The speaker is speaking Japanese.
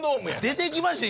出てきましたよ